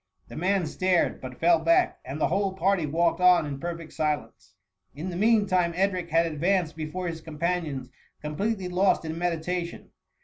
The man stared, but fell back, and the whole party walked on in perfect silence. In the mean time, Edric had advanced before his companions, completely lost in meditation.